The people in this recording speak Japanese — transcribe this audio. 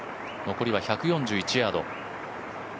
残りは１４１ヤード。